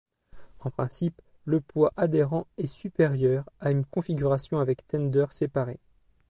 En principe, le poids adhérent est supérieur à une configuration avec tender séparé.